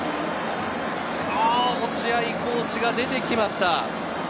落合コーチが出てきました。